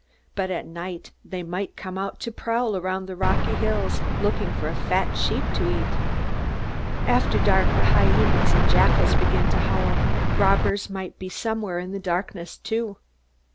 But at night they might come out to prowl around the rocky hills, looking for a fat sheep to eat. After dark the hyenas and jackals began to howl. Robbers might be somewhere in the darkness too.